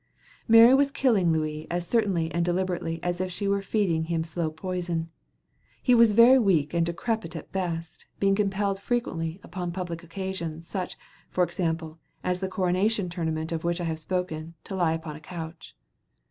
Mary was killing Louis as certainly and deliberately as if she were feeding him slow poison. He was very weak and decrepit at best, being compelled frequently, upon public occasions, such, for example, as the coronation tournament of which I have spoken, to lie upon a couch.